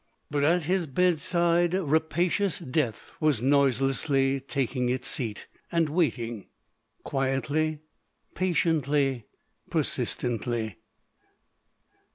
But at his bedside rapacious death was noiselessly taking its seat, and waiting—quietly, patiently, persistently.